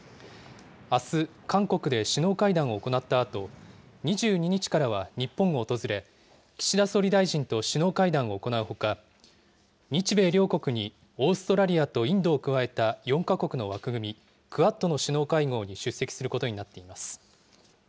あす、韓国で首脳会談を行ったあと、２２日からは日本を訪れ、岸田総理大臣と首脳会談を行うほか、日米両国にオーストラリアとインドを加えた４か国の枠組み、クアッドの首脳会合に出席することになっています。